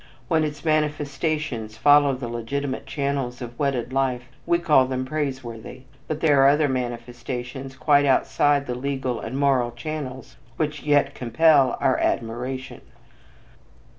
When its manifestations follow the legitimate channels of wedded life we call them praiseworthy; but there are other manifestations quite outside the legal and moral channels which yet compel our admiration.